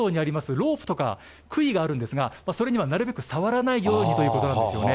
ロープとかくいがあるんですが、それにはなるべく触らないようにということなんですよね。